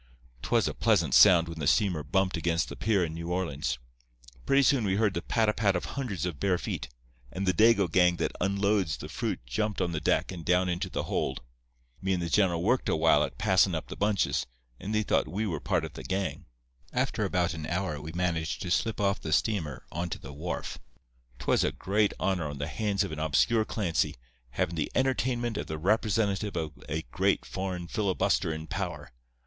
"'Twas a pleasant sound when the steamer bumped against the pier in New Orleans. Pretty soon we heard the pat a pat of hundreds of bare feet, and the Dago gang that unloads the fruit jumped on the deck and down into the hold. Me and the general worked a while at passin' up the bunches, and they thought we were part of the gang. After about an hour we managed to slip off the steamer onto the wharf. "'Twas a great honour on the hands of an obscure Clancy, havin' the entertainment of the representative of a great foreign filibusterin' power.